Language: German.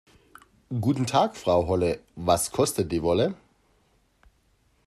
Guten Tag Frau Holle, was kostet die Wolle?